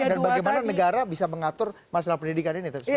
dan bagaimana negara bisa mengatur masalah pendidikan ini